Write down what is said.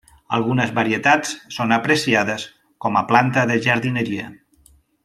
Algunes varietats són apreciades com a planta de jardineria.